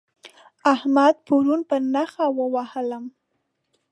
احمد پرون په نېښ ووهلم